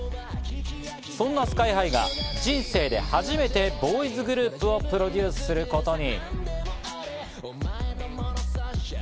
そんなＳＫＹ−ＨＩが人生で初めてボーイズグループをプロデュースすることに。